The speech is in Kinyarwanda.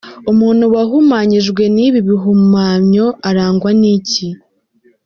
Umuntu wahumanyijwe n’ibi bihumyo arangwa n’iki?.